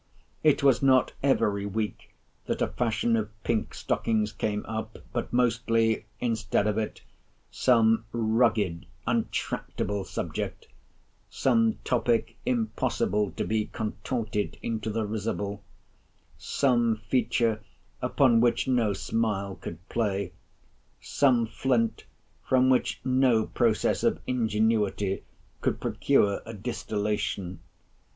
It was not every week that a fashion of pink stockings came up; but mostly, instead of it, some rugged, untractable subject; some topic impossible to be contorted into the risible; some feature, upon which no smile could play; some flint, from which no process of ingenuity could procure a distillation.